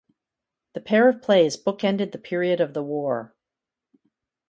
The pair of plays bookended the period of the war.